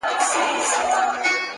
د ښه کار دوام شخصیت جوړوي.